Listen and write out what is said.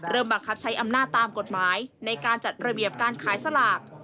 บังคับใช้อำนาจตามกฎหมายในการจัดระเบียบการขายสลาก